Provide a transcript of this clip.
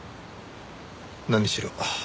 何しろ